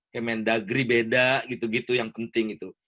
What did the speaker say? kemendagri beda gitu gitu yang penting itu